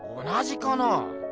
同じかな？